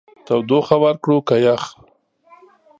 تودوخه ورکړو که يخ؟